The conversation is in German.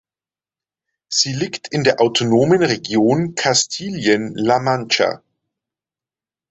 Sie liegt in der Autonomen Region Kastilien-La Mancha.